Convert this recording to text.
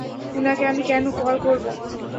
উনাকে আমি কেন কল করব?